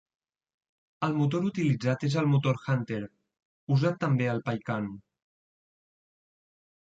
El motor utilitzat és el motor Hunter, usat també al Paykan.